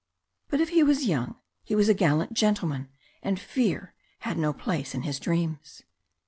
But if he was young, he was a gallant gentleman, and Fear had no place in his dreams.